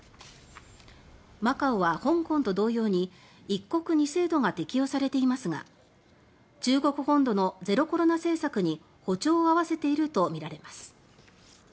マカオは香港と同様に一国二制度が適用されていますが中国本土のゼロコロナ政策に歩調を合わせているとみられます